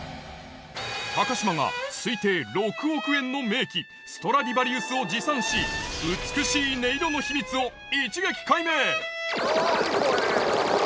高嶋が推定６億円の名器ストラディバリウスを持参し美しい音色の秘密を一撃解明！